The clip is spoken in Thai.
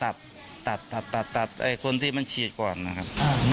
พี่สุบาทบอกว่าตัดตัดคนที่มันฉีดก่อนนะครับ